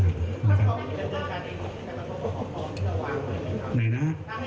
ไหนนะครับถ้าให้ท้องถิ่นเคยจะจัดการได้เอง